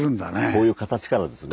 こういう形からですね。